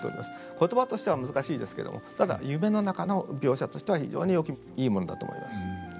言葉としては難しいですけれどもただ夢の中の描写としては非常にいいものだと思います。